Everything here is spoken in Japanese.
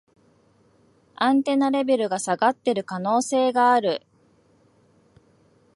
アンテナレベルが下がってる可能性がある